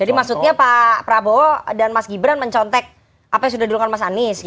jadi maksudnya pak prabowo dan mas gibran mencontek apa yang sudah dilakukan mas anies gitu